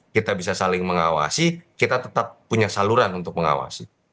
kita bisa saling mengawasi kita tetap punya saluran untuk mengawasi